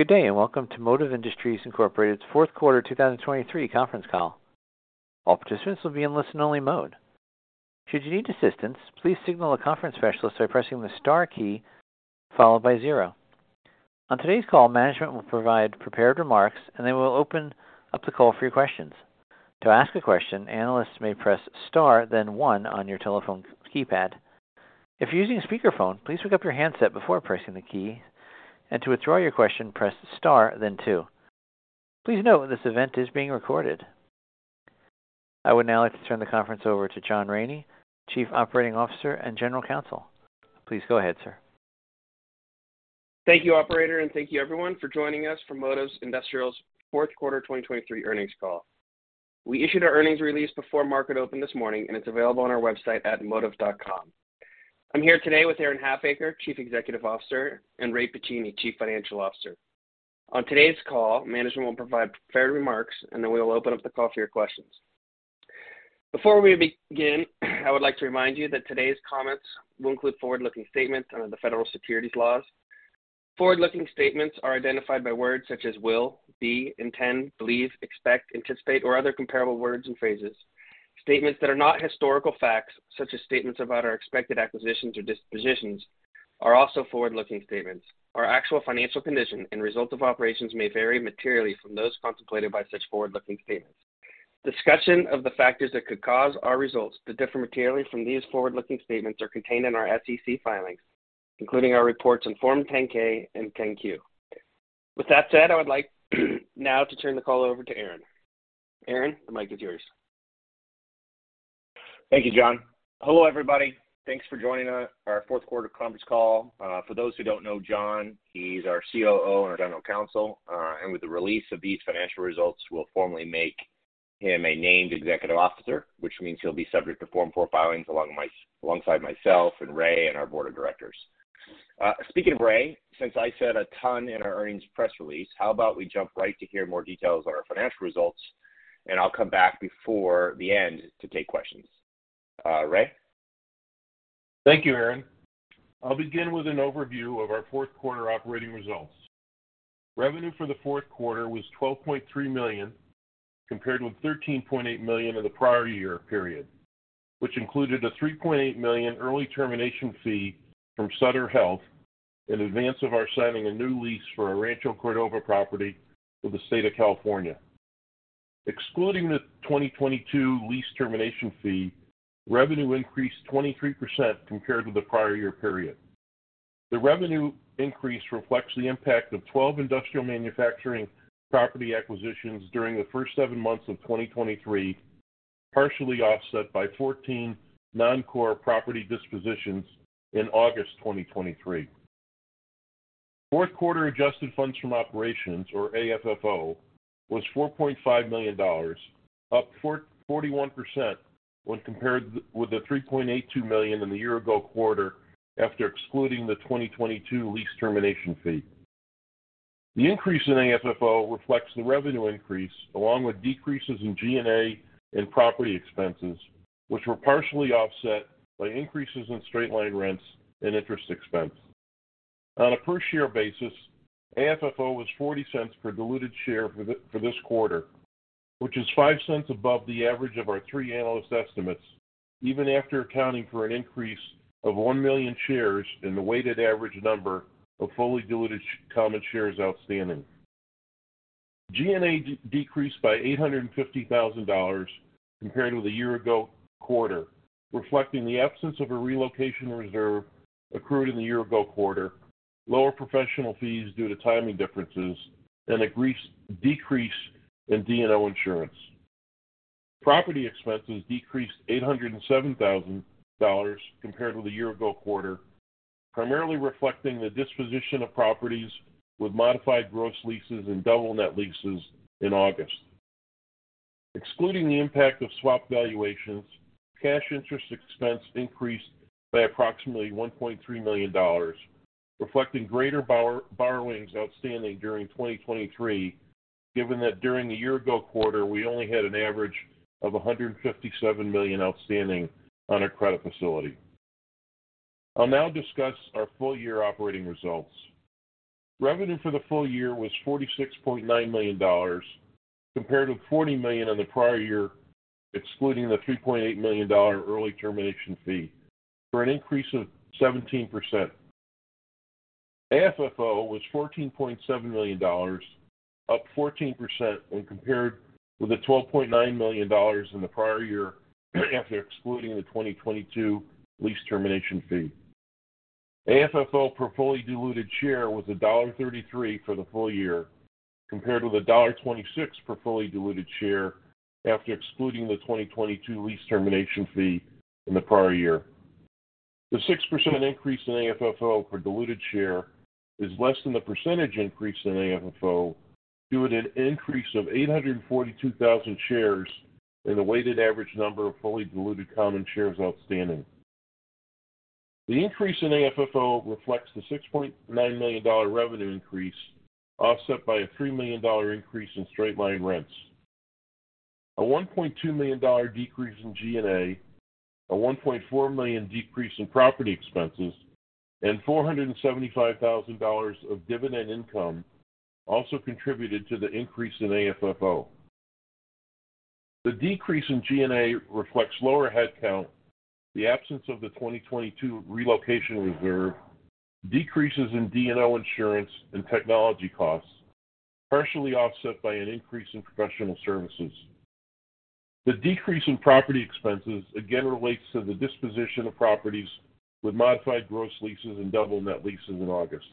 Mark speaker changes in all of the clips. Speaker 1: Good day, and welcome to Modiv Industrial, Inc.'s Fourth Quarter 2023 conference call. All participants will be in listen-only mode. Should you need assistance, please signal a conference specialist by pressing the star key followed by zero. On today's call, management will provide prepared remarks, and then we'll open up the call for your questions. To ask a question, analysts may press star, then one on your telephone keypad. If you're using a speakerphone, please pick up your handset before pressing the key, and to withdraw your question, press star, then two. Please note, this event is being recorded. I would now like to turn the conference over to John Raney, Chief Operating Officer and General Counsel. Please go ahead, sir.
Speaker 2: Thank you, operator, and thank you, everyone, for joining us for Modiv Industrial's Fourth Quarter 2023 earnings call. We issued our earnings release before market open this morning, and it's available on our website at modiv.com. I'm here today with Aaron Halfacre, Chief Executive Officer, and Ray Pacini, Chief Financial Officer. On today's call, management will provide prepared remarks, and then we'll open up the call for your questions. Before we begin, I would like to remind you that today's comments will include forward-looking statements under the federal securities laws. Forward-looking statements are identified by words such as will, be, intend, believe, expect, anticipate, or other comparable words and phrases. Statements that are not historical facts, such as statements about our expected acquisitions or dispositions, are also forward-looking statements. Our actual financial condition and result of operations may vary materially from those contemplated by such forward-looking statements. Discussion of the factors that could cause our results to differ materially from these forward-looking statements are contained in our SEC filings, including our reports in Form 10-K and 10-Q. With that said, I would like now to turn the call over to Aaron. Aaron, the mic is yours.
Speaker 3: Thank you, John. Hello, everybody. Thanks for joining our fourth quarter conference call. For those who don't know John, he's our COO and our General Counsel. With the release of these financial results, we'll formally make him a named executive officer, which means he'll be subject to Form 4 filings alongside myself and Ray and our board of directors. Speaking of Ray, since I said a ton in our earnings press release, how about we jump right to hear more details on our financial results, and I'll come back before the end to take questions. Ray?
Speaker 4: Thank you, Aaron. I'll begin with an overview of our fourth quarter operating results. Revenue for the fourth quarter was $12.3 million, compared with $13.8 million in the prior year period, which included a $3.8 million early termination fee from Sutter Health in advance of our signing a new lease for our Rancho Cordova property with the state of California. Excluding the 2022 lease termination fee, revenue increased 23% compared to the prior year period. The revenue increase reflects the impact of 12 industrial manufacturing property acquisitions during the first seven months of 2023, partially offset by 14 non-core property dispositions in August 2023. Fourth quarter adjusted funds from operations, or AFFO, was $4.5 million, up 41% when compared with the $3.82 million in the year ago quarter, after excluding the 2022 lease termination fee. The increase in AFFO reflects the revenue increase, along with decreases in G&A and property expenses, which were partially offset by increases in straight line rents and interest expense. On a per share basis, AFFO was $0.40 per diluted share for the, for this quarter, which is $0.05 above the average of our three analyst estimates, even after accounting for an increase of 1 million shares in the weighted average number of fully diluted common shares outstanding. G&A decreased by $850,000 compared with the year ago quarter, reflecting the absence of a relocation reserve accrued in the year ago quarter, lower professional fees due to timing differences, and a greater decrease in D&O insurance. Property expenses decreased $807,000 compared with the year ago quarter, primarily reflecting the disposition of properties with modified gross leases and double net leases in August. Excluding the impact of swap valuations, cash interest expense increased by approximately $1.3 million, reflecting greater borrowings outstanding during 2023, given that during the year ago quarter, we only had an average of $157 million outstanding on our credit facility. I'll now discuss our full year operating results. Revenue for the full year was $46.9 million, compared to $40 million in the prior year, excluding the $3.8 million early termination fee, for an increase of 17%. AFFO was $14.7 million, up 14% when compared with the $12.9 million in the prior year, after excluding the 2022 lease termination fee. AFFO per fully diluted share was $1.33 for the full year, compared with $1.26 per fully diluted share after excluding the 2022 lease termination fee in the prior year. The 6% increase in AFFO per diluted share is less than the percentage increase in AFFO, due to an increase of 842,000 shares in the weighted average number of fully diluted common shares outstanding. The increase in AFFO reflects the $6.9 million revenue increase, offset by a $3 million increase in straight-line rents. A $1.2 million decrease in G&A, a $1.4 million decrease in property expenses, and $475,000 of dividend income also contributed to the increase in AFFO. The decrease in G&A reflects lower headcount, the absence of the 2022 relocation reserve, decreases in D&O insurance and technology costs, partially offset by an increase in professional services. The decrease in property expenses again relates to the disposition of properties with modified gross leases and double net leases in August.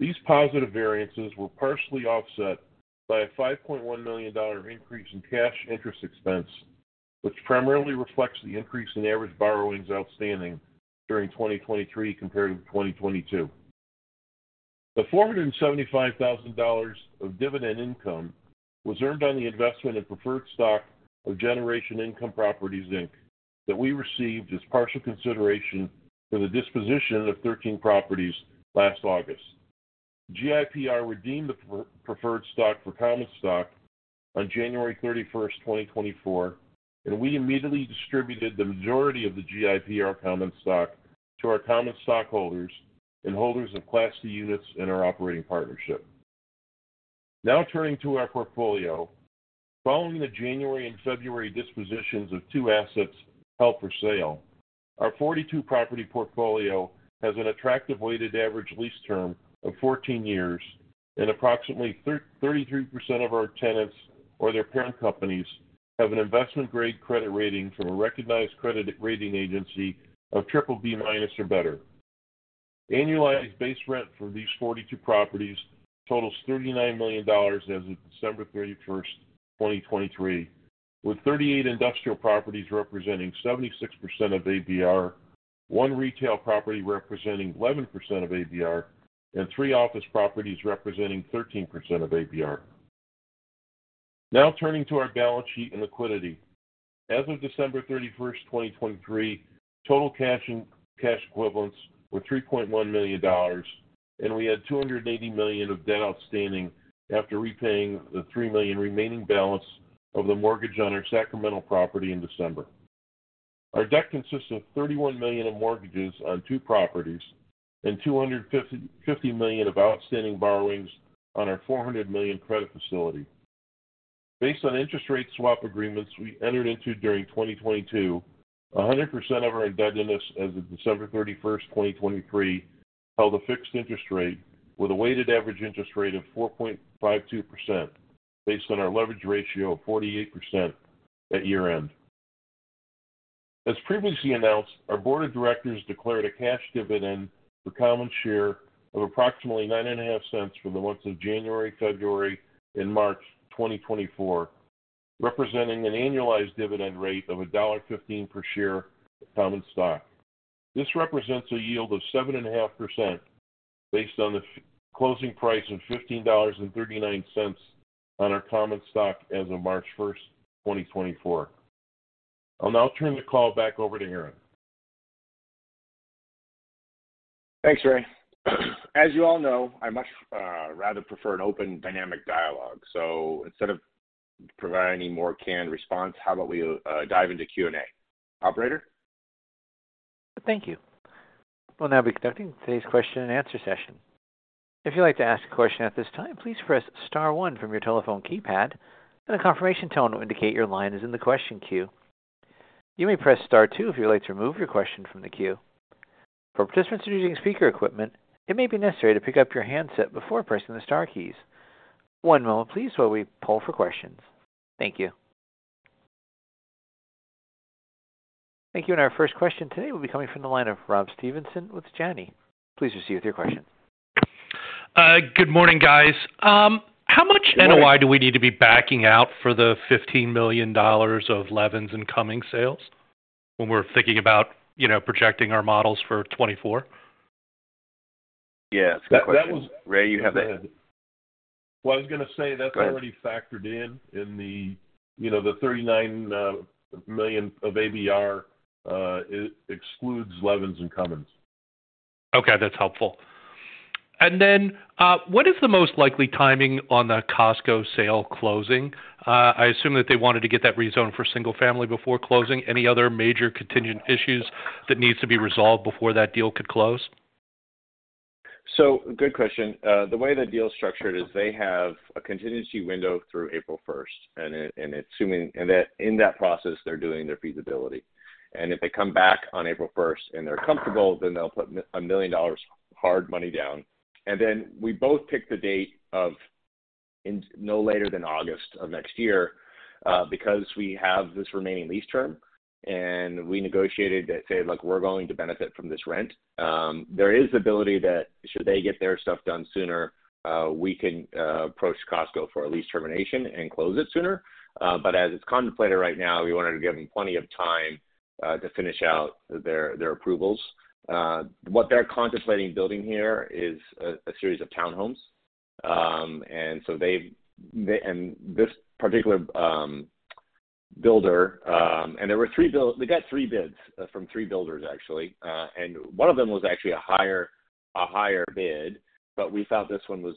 Speaker 4: These positive variances were partially offset by a $5.1 million increase in cash interest expense, which primarily reflects the increase in average borrowings outstanding during 2023 compared to 2022. The $475,000 of dividend income was earned on the investment in preferred stock of Generation Income Properties, Inc., that we received as partial consideration for the disposition of 13 properties last August. GIPR redeemed the preferred stock for common stock on January 31, 2024, and we immediately distributed the majority of the GIPR common stock to our common stockholders and holders of Class C units in our operating partnership. Now turning to our portfolio. Following the January and February dispositions of two assets held for sale, our 42-property portfolio has an attractive weighted average lease term of 14 years, and approximately 33% of our tenants or their parent companies have an investment-grade credit rating from a recognized credit rating agency of BBB- or better. Annualized base rent for these 42 properties totals $39 million as of December 31, 2023, with 38 industrial properties representing 76% of ABR, one retail property representing 11% of ABR, and three office properties representing 13% of ABR. Now turning to our balance sheet and liquidity. As of December 31, 2023, total cash and cash equivalents were $3.1 million, and we had $280 million of debt outstanding after repaying the $3 million remaining balance of the mortgage on our Sacramento property in December. Our debt consists of $31 million in mortgages on two properties and $255 million of outstanding borrowings on our $400 million credit facility. Based on interest rate swap agreements we entered into during 2022, 100% of our indebtedness as of December 31, 2023, held a fixed interest rate with a weighted average interest rate of 4.52%, based on our leverage ratio of 48% at year-end. As previously announced, our board of directors declared a cash dividend per common share of approximately $0.095 for the months of January, February, and March 2024, representing an annualized dividend rate of $1.15 per share common stock. This represents a yield of 7.5%, based on the closing price of $15.39 on our common stock as of March 1, 2024. I'll now turn the call back over to Aaron.
Speaker 3: Thanks, Ray. As you all know, I much rather prefer an open, dynamic dialogue. Instead of providing any more canned response, how about we dive into Q&A? Operator?
Speaker 1: Thank you. We'll now be conducting today's question and answer session. If you'd like to ask a question at this time, please press star one from your telephone keypad, and a confirmation tone will indicate your line is in the question queue. You may press star two if you'd like to remove your question from the queue. For participants using speaker equipment, it may be necessary to pick up your handset before pressing the star keys. One moment please while we poll for questions. Thank you. Thank you. Our first question today will be coming from the line of Rob Stevenson with Janney. Please proceed with your question.
Speaker 5: Good morning, guys. How much NOI do we need to be backing out for the $15 million of Levin's and Cummins sales when we're thinking about, you know, projecting our models for 2024?
Speaker 3: Yeah, that's a good question. Ray, you have that.
Speaker 4: Well, I was going to say that's-
Speaker 3: Go ahead...
Speaker 4: already factored in, in the, you know, the $39 million of ABR, it excludes Levin's and Cummins.
Speaker 5: Okay, that's helpful. And then, what is the most likely timing on the Costco sale closing? I assume that they wanted to get that rezoned for single family before closing. Any other major contingent issues that needs to be resolved before that deal could close?
Speaker 3: So, good question. The way the deal is structured is they have a contingency window through April first, and it's assuming that, in that process, they're doing their feasibility. And if they come back on April first and they're comfortable, then they'll put a million dollars hard money down. And then we both picked the date of no later than August of next year, because we have this remaining lease term, and we negotiated that, say, look, we're going to benefit from this rent. There is the ability that should they get their stuff done sooner, we can approach Costco for a lease termination and close it sooner. But as it's contemplated right now, we wanted to give them plenty of time to finish out their approvals. What they're contemplating building here is a series of townhomes. And so they and this particular builder. And they got three bids from three builders actually. And one of them was actually a higher bid, but we thought this one was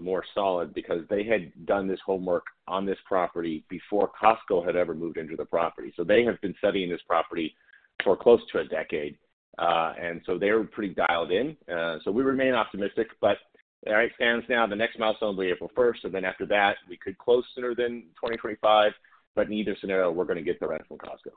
Speaker 3: more solid because they had done this homework on this property before Costco had ever moved into the property. So they have been studying this property for close to a decade, and so they were pretty dialed in. So we remain optimistic, but as it stands now, the next milestone will be April first, and then after that, we could close sooner than 2025. But in either scenario, we're going to get the rent from Costco.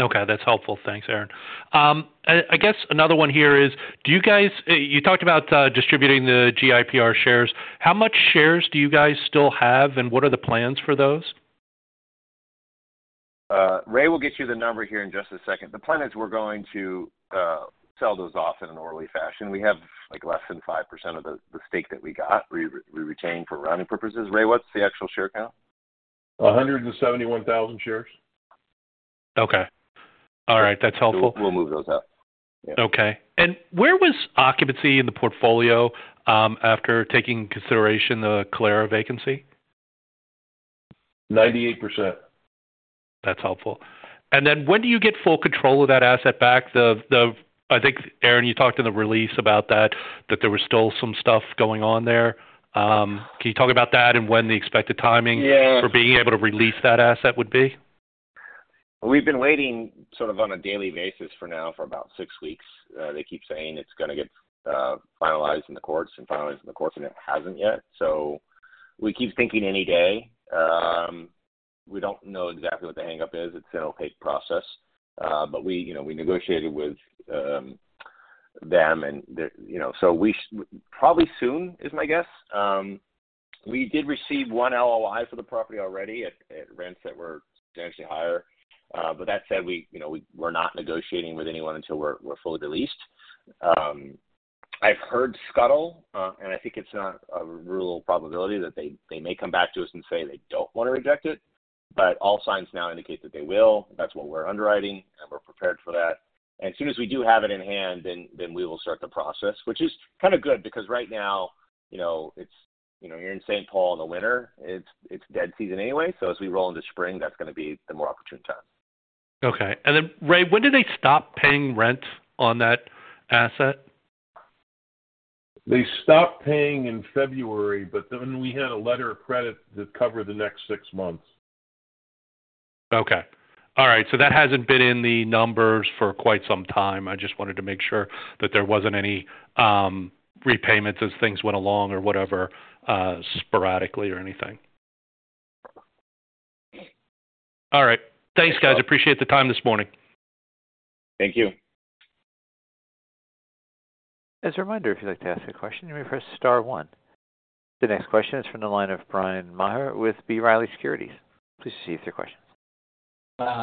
Speaker 5: Okay, that's helpful. Thanks, Aaron. I guess another one here is, do you guys you talked about distributing the GIPR shares. How much shares do you guys still have, and what are the plans for those?
Speaker 3: Ray will get you the number here in just a second. The plan is we're going to sell those off in an orderly fashion. We have, like, less than 5% of the stake that we got. We retained for rounding purposes. Ray, what's the actual share count?
Speaker 4: 171,000 shares.
Speaker 5: Okay. All right, that's helpful.
Speaker 3: We'll move those out.
Speaker 5: Okay. And where was occupancy in the portfolio, after taking consideration the Santa Clara vacancy?
Speaker 4: 98%.
Speaker 5: That's helpful. And then when do you get full control of that asset back? I think, Aaron, you talked in the release about that, that there was still some stuff going on there. Can you talk about that and when the expected timing-
Speaker 3: Yeah.
Speaker 5: for being able to release that asset would be?
Speaker 3: We've been waiting sort of on a daily basis for now for about six weeks. They keep saying it's going to get finalized in the courts and finalized in the courts, and it hasn't yet. So we keep thinking any day. We don't know exactly what the hang-up is. It's an opaque process, but we, you know, we negotiated with them and the... You know, so probably soon is my guess. We did receive one LOI for the property already at rents that were substantially higher. But that said, we, you know, we, we're not negotiating with anyone until we're fully released. I've heard scuttlebutt, and I think it's not a real probability that they may come back to us and say they don't want to reject it, but all signs now indicate that they will. That's what we're underwriting, and we're prepared for that. And as soon as we do have it in hand, then, then we will start the process, which is kind of good, because right now, you know, it's, you know, you're in St. Paul in the winter, it's, it's dead season anyway. So as we roll into spring, that's going to be the more opportune time.
Speaker 5: Okay. And then, Ray, when did they stop paying rent on that asset?
Speaker 4: They stopped paying in February, but then we had a letter of credit to cover the next six months.
Speaker 5: Okay. All right. So that hasn't been in the numbers for quite some time. I just wanted to make sure that there wasn't any repayments as things went along or whatever sporadically or anything. All right. Thanks, guys. Appreciate the time this morning.
Speaker 3: Thank you.
Speaker 1: As a reminder, if you'd like to ask a question, you may press star one. The next question is from the line of Bryan Maher with B. Riley Securities. Please proceed with your question.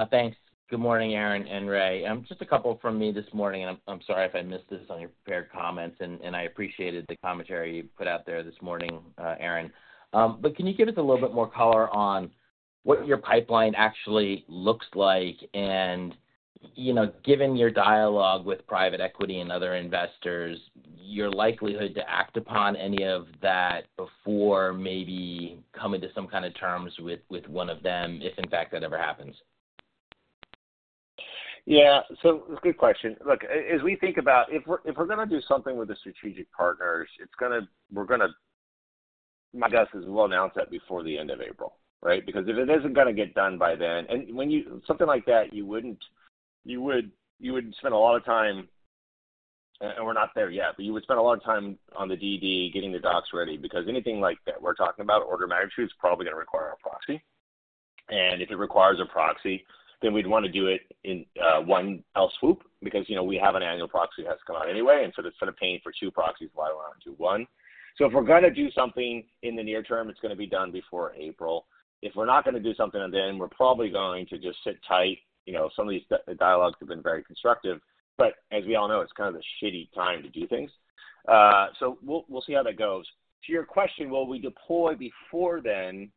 Speaker 6: Thanks. Good morning, Aaron and Ray. Just a couple from me this morning, and I'm sorry if I missed this on your prepared comments, and I appreciated the commentary you put out there this morning, Aaron. But can you give us a little bit more color on what your pipeline actually looks like? And, you know, given your dialogue with private equity and other investors, your likelihood to act upon any of that before maybe coming to some kind of terms with one of them, if in fact that ever happens.
Speaker 3: Yeah. So good question. Look, as we think about... If we're, if we're going to do something with the strategic partners, it's gonna – we're gonna – my guess is we'll announce that before the end of April, right? Because if it isn't gonna get done by then... And when you do something like that, you would spend a lot of time, and we're not there yet, but you would spend a lot of time on the DD, getting the docs ready, because anything like that, we're talking about order magnitude, it's probably going to require a proxy. And if it requires a proxy, then we'd want to do it in one fell swoop, because, you know, we have an annual proxy that's come out anyway, and so instead of paying for two proxies, why we want to do one. So if we're gonna do something in the near term, it's gonna be done before April. If we're not gonna do something by then, we're probably going to just sit tight. You know, some of these dialogues have been very constructive, but as we all know, it's kind of a shitty time to do things. So we'll see how that goes. To your question, will we deploy before then?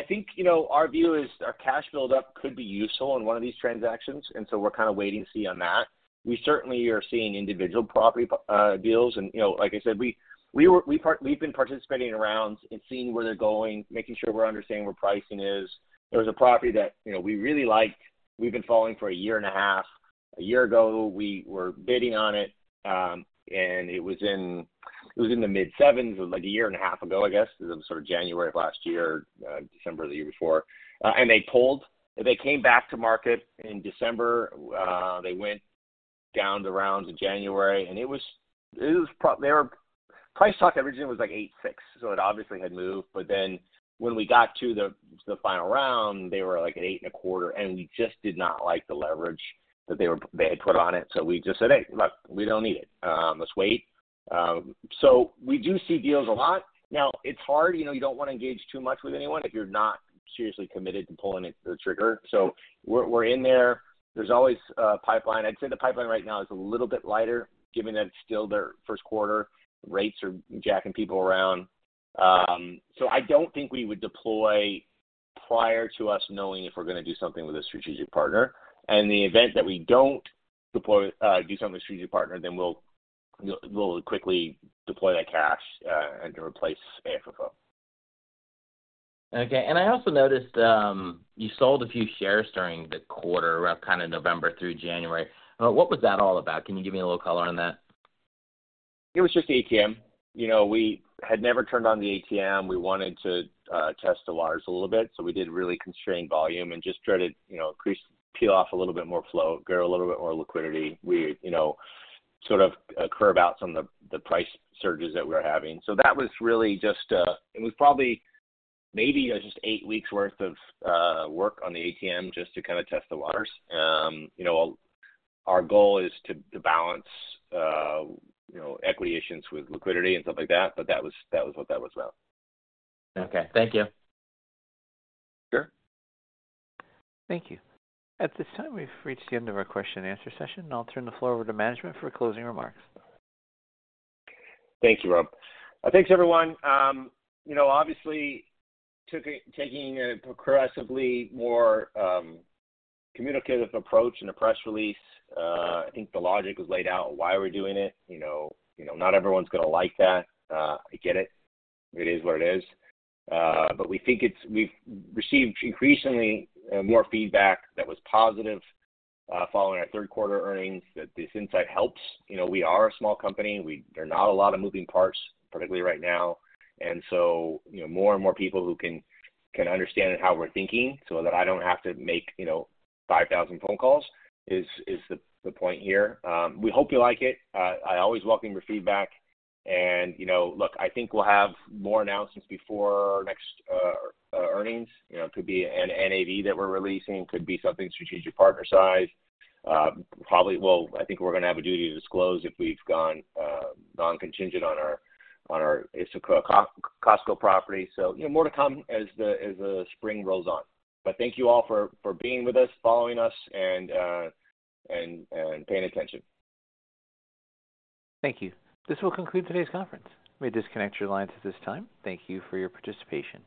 Speaker 3: I think, you know, our view is our cash build-up could be useful in one of these transactions, and so we're kind of waiting to see on that. We certainly are seeing individual property deals. And, you know, like I said, we've been participating in rounds and seeing where they're going, making sure we're understanding where pricing is. There was a property that, you know, we really liked. We've been following for a year and a half. A year ago, we were bidding on it, and it was in the mid-7s, like a year and a half ago, I guess. It was sort of January of last year, December the year before. And they pulled. They came back to market in December. They went down the rounds in January, and it was, they were... Price talk originally was like $8.6, so it obviously had moved. But then when we got to the final round, they were like at $8.25, and we just did not like the leverage that they had put on it. So we just said, "Hey, look, we don't need it. Let's wait." So we do see deals a lot. Now, it's hard, you know, you don't want to engage too much with anyone if you're not seriously committed to pulling the trigger. So we're in there. There's always a pipeline. I'd say the pipeline right now is a little bit lighter, given that it's still the first quarter. Rates are jacking people around. So I don't think we would deploy prior to us knowing if we're going to do something with a strategic partner. And in the event that we don't deploy, do something with a strategic partner, then we'll quickly deploy that cash and to replace Africa.
Speaker 6: Okay. I also noticed you sold a few shares during the quarter, around kind of November through January. What was that all about? Can you give me a little color on that?
Speaker 3: It was just the ATM. You know, we had never turned on the ATM. We wanted to test the waters a little bit, so we did really constrained volume and just try to, you know, increase, peel off a little bit more flow, grow a little bit more liquidity. We, you know, sort of, carve out some of the price surges that we were having. So that was really just, it was probably maybe just eight weeks worth of work on the ATM just to kind of test the waters. You know, our goal is to balance, you know, equity issuances with liquidity and stuff like that, but that was, that was what that was about.
Speaker 6: Okay, thank you.
Speaker 3: Sure.
Speaker 1: Thank you. At this time, we've reached the end of our question and answer session. I'll turn the floor over to management for closing remarks.
Speaker 3: Thank you, Rob. Thanks, everyone. You know, obviously, taking a progressively more communicative approach in the press release, I think the logic was laid out on why we're doing it. You know, you know, not everyone's gonna like that. I get it. It is what it is. But we think it's. We've received increasingly more feedback that was positive following our third quarter earnings, that this insight helps. You know, we are a small company. There are not a lot of moving parts, particularly right now. And so, you know, more and more people who can understand how we're thinking, so that I don't have to make, you know, 5,000 phone calls, is the point here. We hope you like it. I always welcome your feedback and, you know, look, I think we'll have more announcements before our next earnings. You know, it could be an NAV that we're releasing, could be something strategic partner size. Probably, well, I think we're going to have a duty to disclose if we've gone non-contingent on our, on our Stockton Costco property. So, you know, more to come as the, as the spring rolls on. But thank you all for, for being with us, following us, and, and paying attention.
Speaker 1: Thank you. This will conclude today's conference. You may disconnect your lines at this time. Thank you for your participation.